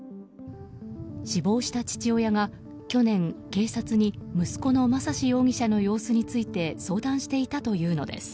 死亡した父親が去年、警察に息子の正嗣容疑者の様子について相談していたというのです。